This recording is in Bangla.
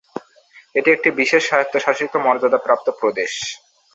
এটি একটি বিশেষ স্বায়ত্তশাসিত মর্যাদাপ্রাপ্ত প্রদেশ।